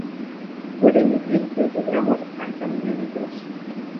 Pueden medir desde gramos a mi litros.